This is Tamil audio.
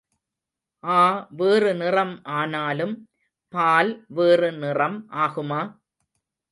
ஆ வேறு நிறம் ஆனாலும் பால் வேறு நிறம் ஆகுமா?